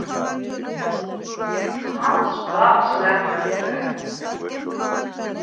ჰამს ბაპს ლა̈ხმუშგუ̂რა̄̈ნ.